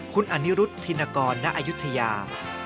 คุณอนิรุธธินกรณอายุทยา